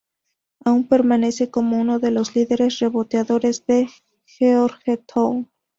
Aún permanece como uno de los líderes reboteadores de Georgetown.